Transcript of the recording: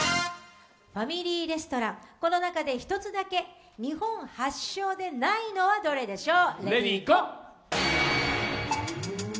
ファミリーレストラン、この中で１つだけ日本発祥でないのはどれでしょう。